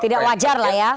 tidak wajar lah ya